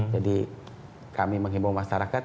jadi kami menghimbau masyarakat